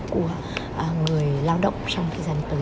của người lao động trong thời gian tới